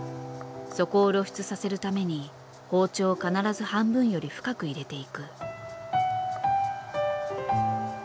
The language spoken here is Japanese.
そこを露出させるために包丁を必ず半分より深く入れていく。